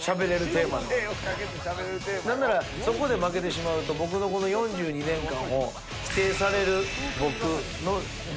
なんならそこで負けてしまうと僕のこの４２年間を否定される。